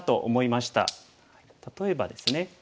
例えばですね